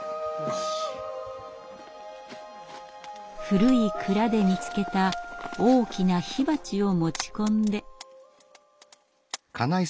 古い蔵で見つけた大きな火鉢を持ち込んで。